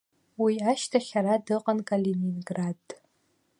Уи ашьҭахь ара дыҟан, Калининград.